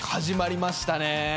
始まりましたね